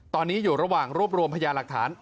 ตอนนี้อยู่ระหว่างรวบรวมพยาหลักฐาน